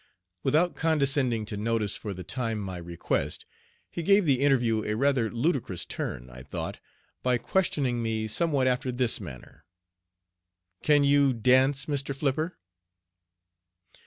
Without condescending to notice for the time my request he gave the interview a rather ludicrous turn, I thought, by questioning me somewhat after this manner: "Can you dance, Mr. Flipper?"